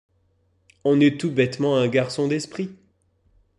On est tout bêtement un garçon d’esprit.